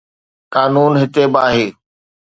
قانون هتي به آهي.